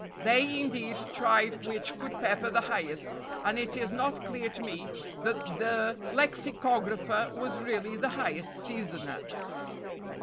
They, indeed, tried which could pepper the highest, and it is not clear to me that the lexicographer was really the highest seasoner."